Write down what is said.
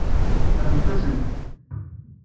Rremt-asent.